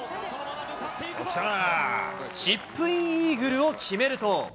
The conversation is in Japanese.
チップインイーグルを決めると。